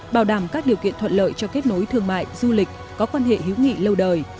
bảo đảm các điều kiện thuận lợi cho kết nối thương mại du lịch có quan hệ hữu nghị lâu đời